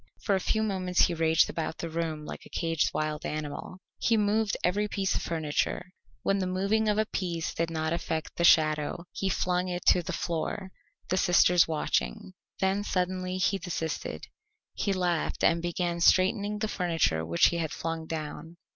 For a few moments he raged about the room like a caged wild animal. He moved every piece of furniture; when the moving of a piece did not affect the shadow, he flung it to the floor, the sisters watching. Then suddenly he desisted. He laughed and began straightening the furniture which he had flung down.